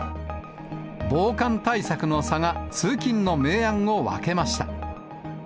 防寒対策の差が、通勤の明暗を分けました。